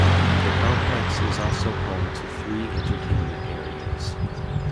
The complex is also home to three entertainment areas.